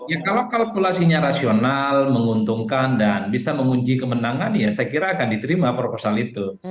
ya kalau kalkulasinya rasional menguntungkan dan bisa mengunci kemenangan ya saya kira akan diterima proposal itu